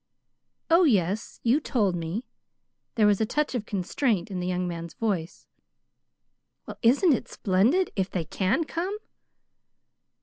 "Oh, yes, you told me." There was a touch of constraint in the young man's voice. "Well, isn't it splendid, if they can come?"